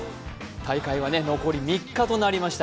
大会は残り３日となりました。